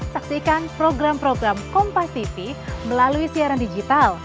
saksikan program program kompas tv melalui siaran digital